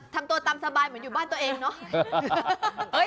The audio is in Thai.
ทำตัวตามสบายเหมือนอยู่บ้านตัวเองเนาะ